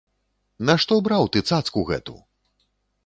Нашто браў ты цацку гэту?